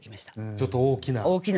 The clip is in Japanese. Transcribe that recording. ちょっと大きな。